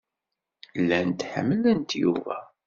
Llant ḥemmlent Yuba.